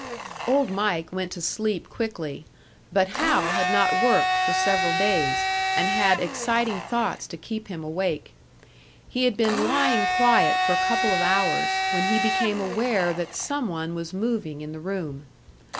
Old Mike went to sleep quickly; but Hal had not worked for several days, and had exciting thoughts to keep him awake. He had been lying quiet for a couple of hours, when he became aware that some one was moving in the room.